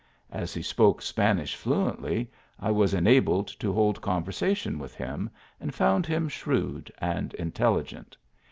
As he spoke Spanish fluently, I was enabled to hold con versation with him, and found him shrewd and in telligent.